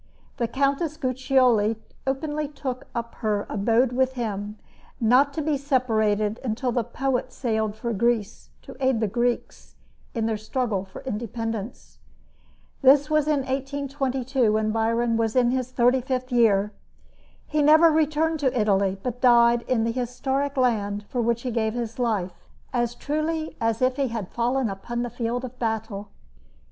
The Countess Guiccioli openly took up her abode with him, not to be separated until the poet sailed for Greece to aid the Greeks in their struggle for independence. This was in 1822, when Byron was in his thirty fifth year. He never returned to Italy, but died in the historic land for which he gave his life as truly as if he had fallen upon the field of battle.